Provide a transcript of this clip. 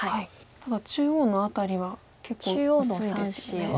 ただ中央の辺りは結構薄いですよね。